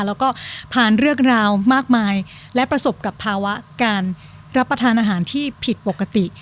แล้วก็ผ่านเรื่องราวมากมายและประสบกับภาวะการรับประทานอาหารที่ผิดปกติ